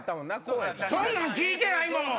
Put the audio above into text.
そんなん聞いてないもん！